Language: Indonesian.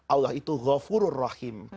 allah itu ghafurur rahim